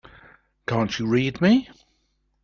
Can't you read me?